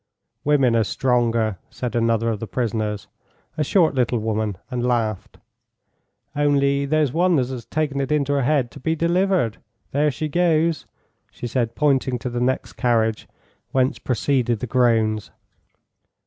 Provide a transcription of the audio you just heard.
"Women are stronger," said another of the prisoners a short little woman, and laughed; "only there's one that has taken it into her head to be delivered. There she goes," she said, pointing to the next carriage, whence proceeded the groans.